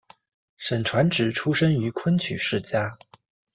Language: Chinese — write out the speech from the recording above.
沈传芷出生于昆曲世家。